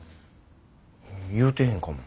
言うてへんかも。